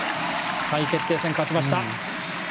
３位決定戦、勝ちました。